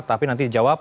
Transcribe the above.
tapi nanti dijawab